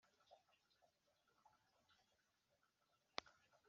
ntibakuyobewe abana b'i kayanga,